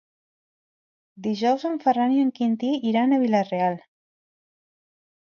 Dijous en Ferran i en Quintí iran a Vila-real.